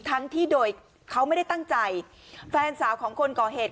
ทั้งที่โดยเขาไม่ได้ตั้งใจแฟนสาวของคนก่อเหตุ